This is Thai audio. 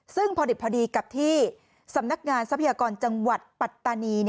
ซึ่งพอดิบพอดีกับที่สำนักงานทรัพยากรจังหวัดปัตตานี